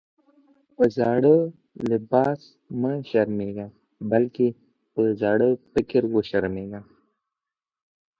په زاړه لباس مه شرمېږئ! بلکي په زاړه فکر وشرمېږئ.